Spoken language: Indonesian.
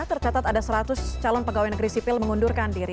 tercatat ada seratus calon pegawai negeri sipil mengundurkan diri